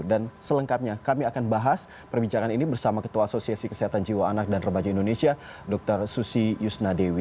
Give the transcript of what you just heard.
dan selengkapnya kami akan bahas perbincangan ini bersama ketua asosiasi kesehatan jiwa anak dan rebaji indonesia dr susi yusnadewi